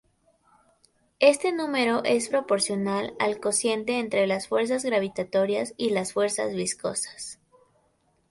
Este número es proporcional al cociente entre las fuerzas gravitatorias y las fuerzas viscosas.